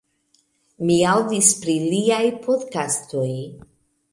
Mi aŭdis pri liaj podkastoj